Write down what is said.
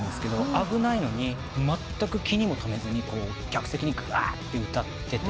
危ないのにまったく気にも留めずに客席にがーって歌ってて。